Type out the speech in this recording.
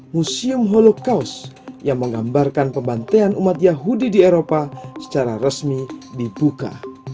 museum holocaust yang menggambarkan pembantaian umat yahudi di eropa secara resmi dibuka